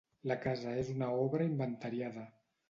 La casa és una obra inventariada.